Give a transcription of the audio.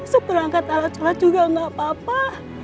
seperangkat alat alat juga nggak apa apa